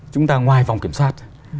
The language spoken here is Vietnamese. chúng ta ngoài vòng kiểm soát